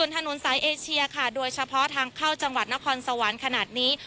ถนนสายเอเชียค่ะโดยเฉพาะทางเข้าจังหวัดนครสวรรค์ขนาดนี้